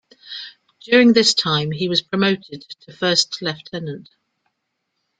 During this time he was promoted to first lieutenant.